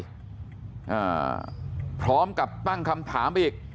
อ่าพร้อมกับตั้งคำถามไปอีก